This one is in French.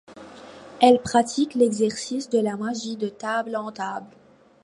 Elle pratique l’exercice de la magie de table en table.